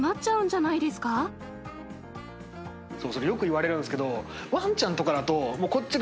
それよく言われるんですけど。